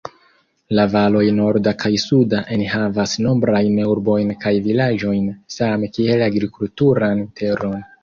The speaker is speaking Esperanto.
La valoj norda kaj suda enhavas nombrajn urbojn kaj vilaĝojn same kiel agrikulturan teron.